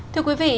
thưa quý vị